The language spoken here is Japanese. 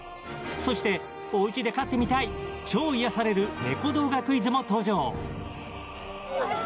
そして、おうちで飼ってみたい超癒やされる猫動画クイズも登場。